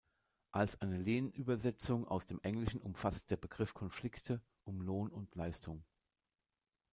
Als eine Lehnübersetzung aus dem Englischen umfasst der Begriff Konflikte um Lohn und Leistung.